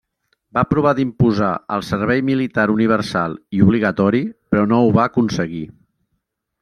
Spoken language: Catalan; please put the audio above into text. Va provar d'imposar el servei militar universal i obligatori però no ho va aconseguir.